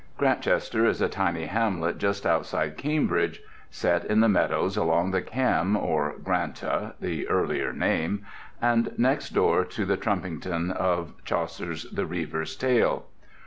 Grantchester is a tiny hamlet just outside Cambridge; set in the meadows along the Cam or Granta (the earlier name), and next door to the Trumpington of Chaucer's "The Reeve's Tale."